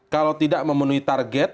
kalau tidak memenuhi target